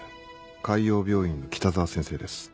海王病院の北澤先生です」。